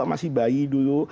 masih bayi dulu